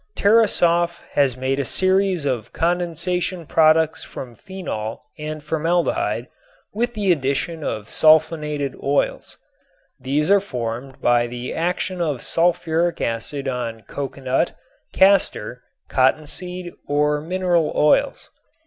Tarasoff has made a series of condensation products from phenol and formaldehyde with the addition of sulfonated oils. These are formed by the action of sulfuric acid on coconut, castor, cottonseed or mineral oils.